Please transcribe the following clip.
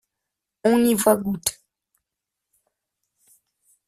On n’y voit goutte.